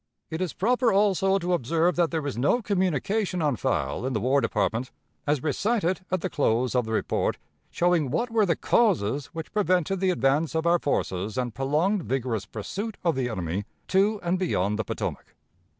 "It is proper also to observe that there is no communication on file in the War Department, as recited at the close of the report, showing what were the causes which prevented the advance of our forces and prolonged, vigorous pursuit of the enemy to and beyond the Potomac.